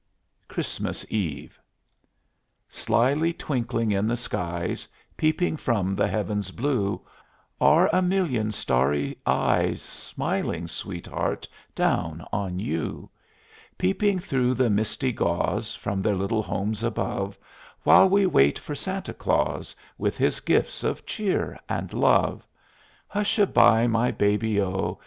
CHRISTMAS EVE Slyly twinkling in the skies, Peeping from the Heaven's blue, Are a million starry eyes Smiling, Sweetheart, down on you; Peeping through the misty gauze From their little homes above While we wait for Santa Claus With his gifts of Cheer and Love. Hush a by, my Baby O!